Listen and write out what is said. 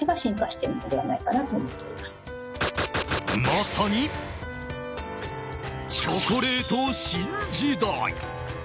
まさに、チョコレート新時代。